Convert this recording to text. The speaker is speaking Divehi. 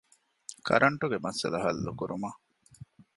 ކަރަންޓުގެ މައްސަލަ ޙައްލުކުރުމަށް